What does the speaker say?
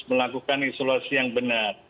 melakukan isolasi yang benar